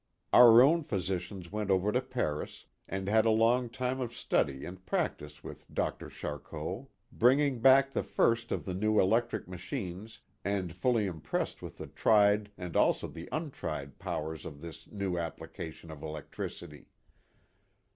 Our own physician went over to Paris and had a long time of study and practice with Dr. Charcot. Bringing back the first of the new electric machines and fully impressed with the tried and also the untried powers of this new application of electricity.